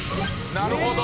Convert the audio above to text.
なるほど！